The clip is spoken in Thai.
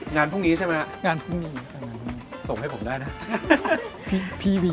งานพรุ่งนี้ใช่ไหมงานพรุ่งนี้ส่งให้ผมได้นะ